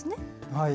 はい。